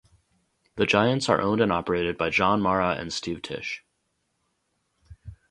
The Giants are owned and operated by John Mara and Steve Tisch.